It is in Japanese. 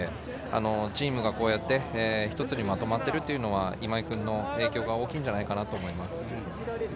チームがこうやってひとつにまとまっているというのは、今井君の影響が大きいのではないかと思います。